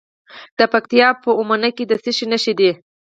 د پکتیکا په اومنه کې د څه شي نښې دي؟